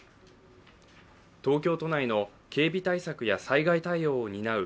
東京都内の警備対策や災害対応を担う